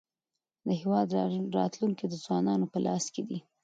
د هېواد راتلونکی د ځوانانو په لاس کې دی.